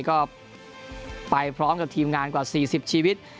ก็ไปพร้อมกับทีมงานกว่า๔๐ชีวิต